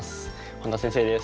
本田先生です。